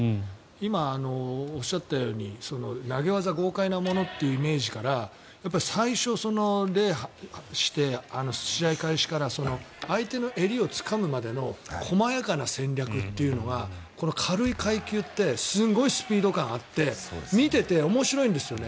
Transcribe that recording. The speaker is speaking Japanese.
今、おっしゃったように投げ技、豪快なものというイメージから最初、礼をして試合開始から相手の襟をつかむまでの細やかな戦略というのが軽い階級ってすごいスピード感があって見ていて面白いんですよね。